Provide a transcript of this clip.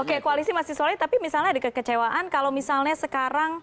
oke koalisi masih solid tapi misalnya ada kekecewaan kalau misalnya sekarang